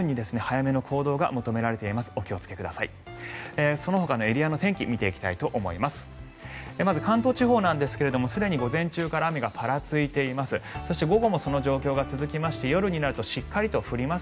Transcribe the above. まず、関東地方ですがすでに午前中から雨がぱらついています。